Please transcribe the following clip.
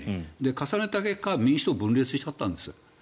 重ねた結果民主党は分裂しちゃったんです。